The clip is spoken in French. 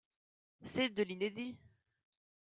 C’est de l’inédit.